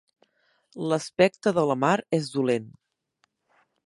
L'aspecte de la mar és dolent.